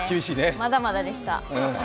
まだまだでした。